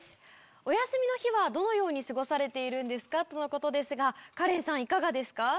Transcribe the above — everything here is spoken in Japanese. お休みの日はどのように過ごされているんですか？とのことですがカレンさんいかがですか？